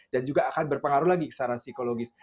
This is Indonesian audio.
dan juga akan berpengaruh lagi secara psikologis